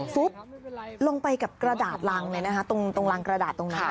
ฟุ๊บลงไปกับกระดาษรังเลยนะคะตรงรังกระดาษตรงนั้น